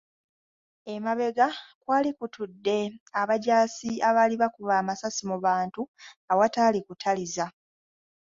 Emabega kwali kutudde abajaasi abaali bakuba amasasi mu bantu awataali kutaliza.